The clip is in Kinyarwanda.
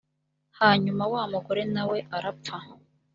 hanyuma wa mugore na we arapfa